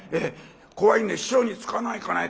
怖いね師匠につかないかね？」